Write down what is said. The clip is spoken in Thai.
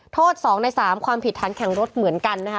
โทษ๒ใน๓ความผิดฐานแข่งรถเหมือนกันนะคะ